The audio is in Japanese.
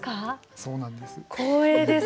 そうなんですね。